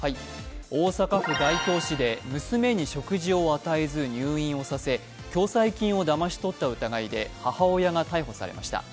大阪府大東市で娘に食事を与えず入院をさせ、共済金をだまし取った疑いで母親が逮捕されました。